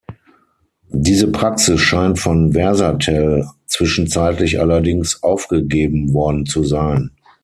Diese Praxis scheint von Versatel zwischenzeitlich allerdings aufgegeben worden zu sein.